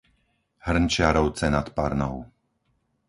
Hrnčiarovce nad Parnou